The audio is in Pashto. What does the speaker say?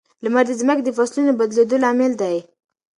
لمر د ځمکې د فصلونو د بدلېدو لامل دی.